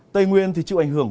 tây nguyên thì chịu ảnh hưởng